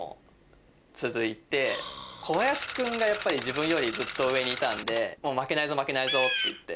小林君がやっぱり自分よりずっと上にいたんで負けないぞ負けないぞっていって。